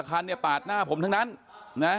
ยังผิดกฎหมายอยู่นะคะ